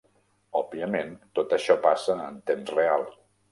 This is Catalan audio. Òbviament, tot això passa en temps real.